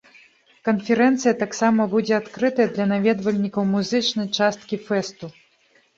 Канферэнцыя таксама будзе адкрытая для наведвальнікаў музычнай часткі фэсту.